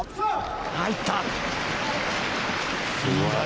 入った。